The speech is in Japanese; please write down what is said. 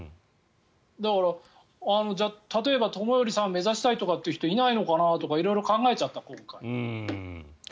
だから、例えば友寄さんを目指したいという人はいないのかなとか色々今回、考えちゃった。